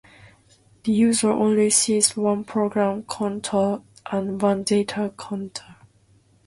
The user only sees one program counter and one data counter.